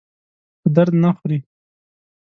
په درد نه خوري.